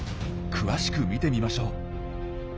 詳しく見てみましょう。